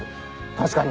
確かに。